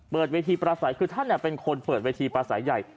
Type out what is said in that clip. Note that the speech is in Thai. เวทีประสัยคือท่านเป็นคนเปิดเวทีปลาสายใหญ่